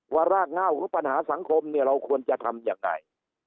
รากเง่าหรือปัญหาสังคมเนี่ยเราควรจะทำยังไง